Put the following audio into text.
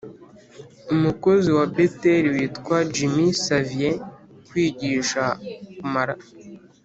umukozi wa Beteli witwa Jimmy Xavier kwigisha Kumar